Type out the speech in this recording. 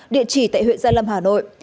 địa chỉ tại huyện gia lâm hà nội